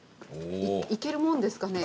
いけるもんですかね